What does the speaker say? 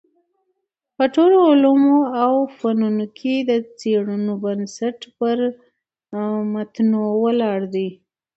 په ټولو علومو او فنونو کي د څېړنو بنسټ پر متونو ولاړ دﺉ.